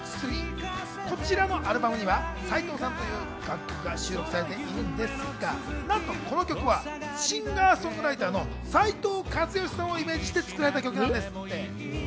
こちらのアルバムには『斉藤さん』という楽曲が収録されているのですがなんとこの曲はシンガー・ソングライターの斉藤和義さんをイメージして作られた曲なんです。